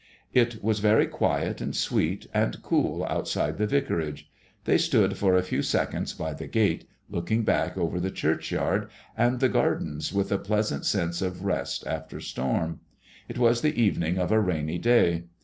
It was very quiet, and sweet, and cool outside the vicarage. They stood for a few seconds by the gate, looking back over the churchyard and the gardens with a pleasant sense of rest after storm. It was the evening of a rainy day.